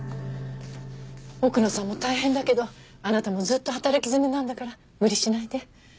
奥野さんも大変だけどあなたもずっと働き詰めなんだから無理しないで。